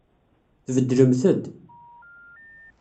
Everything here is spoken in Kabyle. Tbeddlemt-d.